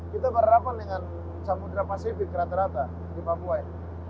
kita berhadapan dengan samudera pasifik rata rata di papua ya